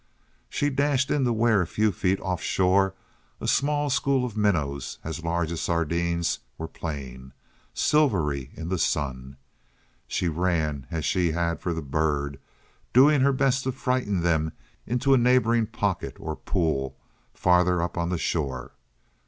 She dashed in to where a few feet offshore a small school of minnows as large as sardines were playing, silvery in the sun. She ran as she had for the bird, doing her best to frighten them into a neighboring pocket or pool farther up on the shore.